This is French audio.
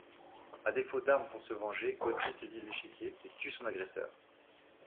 À défaut d'armes pour se venger, Gauthier saisit l'échiquier et tue son agresseur.